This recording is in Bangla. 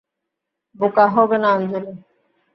বোকা হবে না আঞ্জলি।